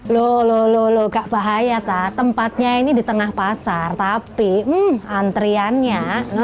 bukan bahaya tempatnya ini di tengah pasar tapi antriannya